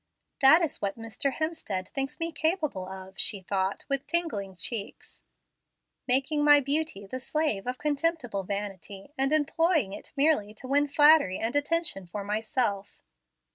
"That is what Mr. Hemstead thinks me capable of," she thought, with tingling cheeks, "making my 'beauty the slave of contemptible vanity,' and employing it merely to win flattery and attention for myself.